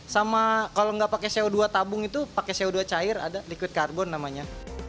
sama kalau nggak pakai co dua tabung itu pakai co dua cair ada liquid carbon namanya